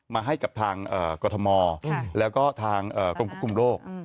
มาให้กับทางกฐมและก็ทางกรมกรุงโรค